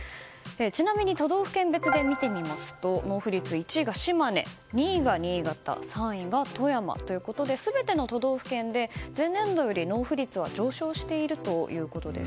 ちなみに都道府県別で見てみますと納付率１位が島根２位が新潟３位が富山ということで全ての都道府県で前年度より納付率は上昇しているということです。